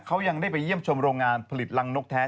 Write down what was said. เขายังได้ไปเยี่ยมชมโรงงานผลิตรังนกแท้